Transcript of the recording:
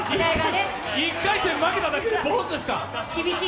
１回戦負けただけで坊主ですか。